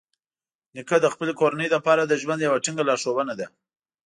نیکه د خپلې کورنۍ لپاره د ژوند یوه ټینګه لارښونه ده.